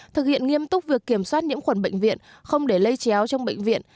thực hiện nghiêm túc việc kiểm soát nhiễm khuẩn bệnh viện không để lây chéo trong bệnh viện